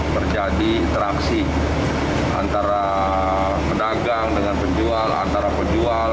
terjadi interaksi antara pedagang dengan penjual antara penjual